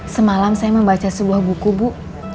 semalam saya membaca sebuah buku bu